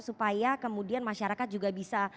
supaya kemudian masyarakat juga bisa